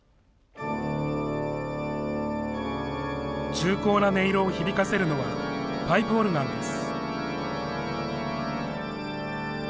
重厚な音色を響かせるのは、パイプオルガンです。